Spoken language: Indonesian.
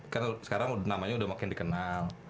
karena sekarang namanya udah makin dikenal